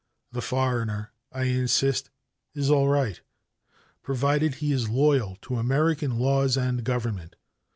The foreigner, I insist, is all right, provided he is loyal to American laws and government.